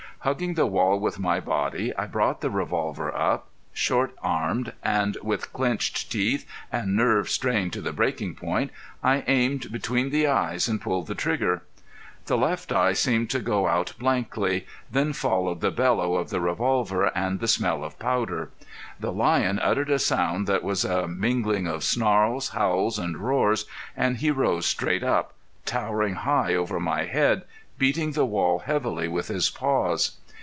Hugging the wall with my body I brought the revolver up, short armed, and with clinched teeth, and nerve strained to the breaking point, I aimed between the eyes and pulled the trigger. The left eye seemed to go out blankly, then followed the bellow of the revolver and the smell of powder. The lion uttered a sound that was a mingling of snarls, howls and roars and he rose straight up, towering high over my head, beating the wall heavily with his paws.